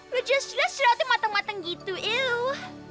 lu jelas jelas jerawatnya mateng mateng gitu eww